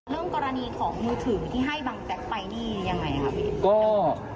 เรื่องกรณีของมือถือที่ให้บางแจ๊กไปนี่ยังไงครับ